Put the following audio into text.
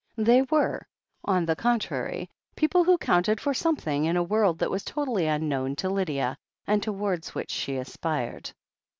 They were, on the contrary, people who counted for something in a world that was totally tmknown to Lydia, and towards which she aspired.